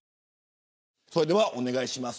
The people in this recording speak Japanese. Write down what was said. それではお願いします。